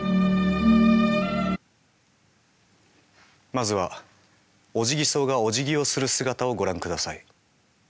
まずはオジギソウがおじぎをする姿をご覧ください。